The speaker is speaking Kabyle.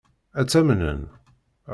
Ad tt-amnen?